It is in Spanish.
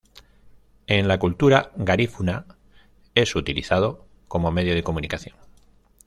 En la cultura garífuna es utilizado como medio de comunicación.